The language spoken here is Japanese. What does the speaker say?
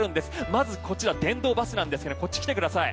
まずこちら、電動バスなんですがこっち来てください。